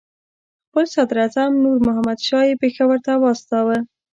خپل صدراعظم نور محمد شاه یې پېښور ته واستاوه.